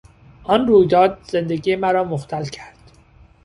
آن رویداد زندگی مرا مختل کرد.